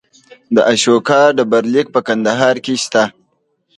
د اشوکا ډبرلیک په کندهار کې شته